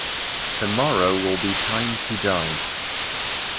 Tomorrow will be time to die.